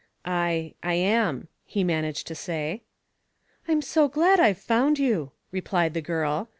"I I am," he managed to say. "I'm so glad I've found you," replied the girl.